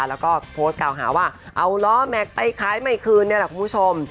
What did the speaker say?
แล้วก็โพสต์กล่าวหาว่าเอาล้อแม็กซ์ไปขายไม่คืนนี่แหละคุณผู้ชม